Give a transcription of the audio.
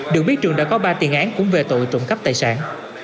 được biết trường đã có ba tiền án cũng về tội trộm cắp tài sản